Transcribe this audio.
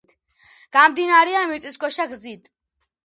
გამდინარეა მიწისქვეშა გზით.